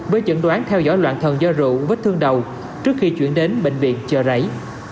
với chẩn đoán theo dõi loạn thần do rượu vết thương đầu trước khi chuyển đến bệnh viện chờ rảy